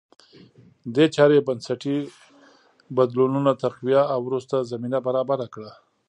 دې چارې بنسټي بدلونونه تقویه او وروسته زمینه برابره کړه